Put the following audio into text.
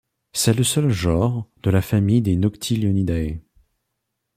C'est le seul genre de la famille des Noctilionidae.